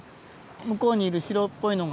向こうにいる白っぽいのが。